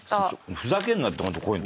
ふざけんなってホント。